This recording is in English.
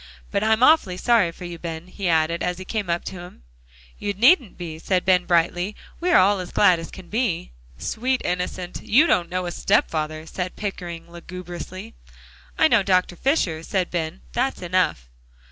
But I'm awfully sorry for you, Ben," he added, as he came up to him. "You needn't be," said Ben brightly, "we are all as glad as can be." "Sweet innocent, you don't know a stepfather," said Pickering lugubriously. "I know Dr. Fisher," said Ben, "that's enough."